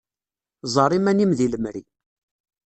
Ẓer iman-im di lemri.